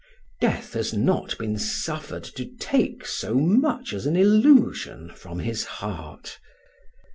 Death has not been suffered to take so much as an illusion from his heart.